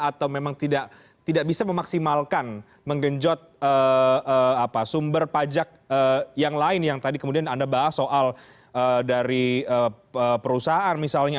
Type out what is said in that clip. atau memang tidak bisa memaksimalkan menggenjot sumber pajak yang lain yang tadi kemudian anda bahas soal dari perusahaan misalnya